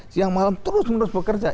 siang malam terus menerus bekerja